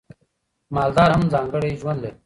مالدار هم ځانګړی ژوند لري.